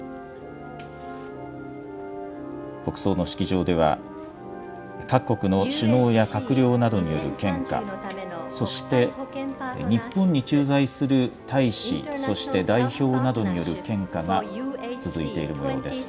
国葬の式場では、各国の首脳や閣僚などによる献花、そして日本に駐在する大使、そして代表などによる献花が続いているもようです。